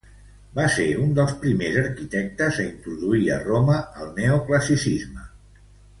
Va ser un dels primers arquitectes a introduir a Roma el neoclassicisme.